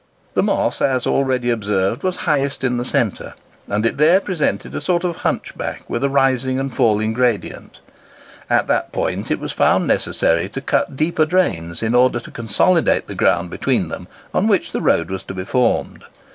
The Moss, as already observed, was highest in the centre, and it there presented a sort of hunchback with a rising and falling gradient. At that point it was found necessary to cut deeper drains in order to consolidate the ground between them on which the road was to be formed.